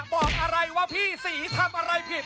บอกอะไรว่าพี่ศรีทำอะไรผิด